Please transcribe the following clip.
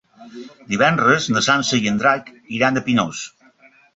Divendres na Sança i en Drac iran a Pinós.